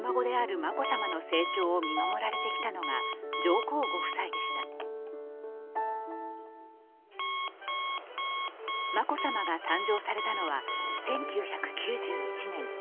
眞子さまが誕生されたのは１９９１年。